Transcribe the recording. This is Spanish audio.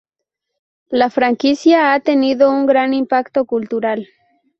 La franquicia ha tenido un gran impacto cultural.